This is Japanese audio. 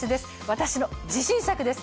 私の自信作です